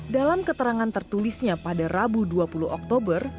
dalam keterangan tertulisnya pada rabu dua puluh oktober